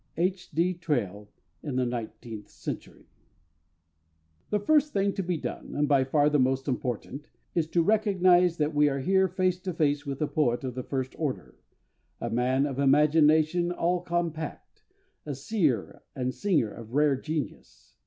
H. D. TRAILL, in The Nineteenth Century. The first thing to be done, and by far the most important, is to recognize that we are here face to face with a poet of the first order, a man of imagination all compact, a seer and singer of rare genius.